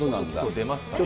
出ますかね。